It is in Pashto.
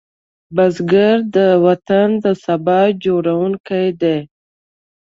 بزګر د وطن د سبا جوړوونکی دی